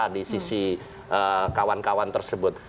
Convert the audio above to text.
di sisi kawan kawan tersebut